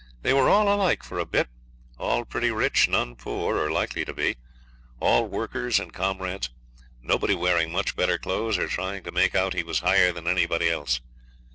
They were all alike for a bit, all pretty rich; none poor, or likely to be; all workers and comrades; nobody wearing much better clothes or trying to make out he was higher than anybody else.